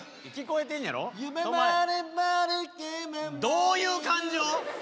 どういう感情！？